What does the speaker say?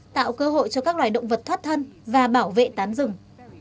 tạo cơ hội cho các loài động vật thoát thân và bảo vệ tán rừng